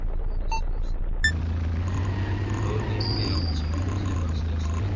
ni kauli yake mchambuzi wa siasa kutoka nchini kenya daktari